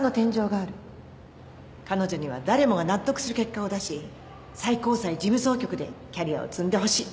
彼女には誰もが納得する結果を出し最高裁事務総局でキャリアを積んでほしい。